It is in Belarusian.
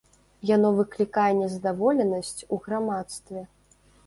Яно выклікае незадаволенасць у грамадстве.